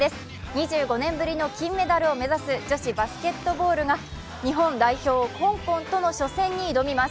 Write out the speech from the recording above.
２５年ぶりの金メダルを目指す女子バスケットボールが日本代表、香港に挑みます。